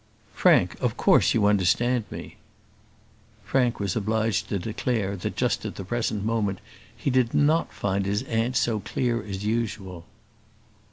"Frank, of course you understand me." Frank was obliged to declare, that just at the present moment he did not find his aunt so clear as usual.